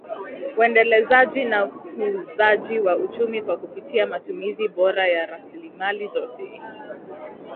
Uendelezaji na ukuzaji wa uchumi kwa kupitia matumizi bora ya rasilimali zote